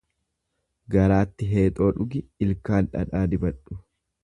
Garaatti heexoo dhugi ilkaan dhadhaa dibadhu.